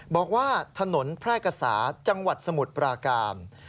บอกว่าถนนแพร่กษาจังหวัดสมุทรปราการ